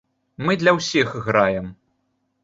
Мы для ўсіх граем.